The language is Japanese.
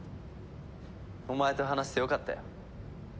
お前と話せてよかったよ。